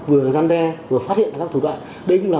vừa gian re vừa phát hiện các thủ đoạn